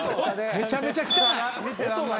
めちゃめちゃ汚い。